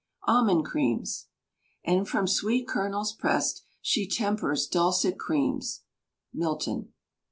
ALMOND CREAMS. And from sweet kernels pressed, She tempers dulcet creams. MILTON.